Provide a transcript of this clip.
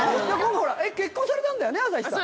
結婚されたんだよね朝日さん。